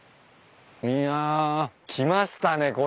いや来ましたね